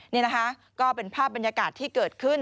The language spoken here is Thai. นี่นะคะก็เป็นภาพบรรยากาศที่เกิดขึ้น